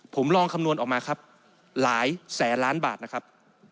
ผมลองคำนวณออกมาครับหลายแสนล้านบาทนะครับ